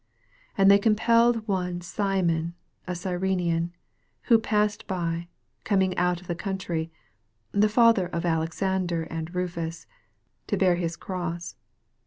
21 And they compel one Simon a Cyrenian, who passed by, coming out of the country, the Father of Alexan der and Eufus, to bear his cross.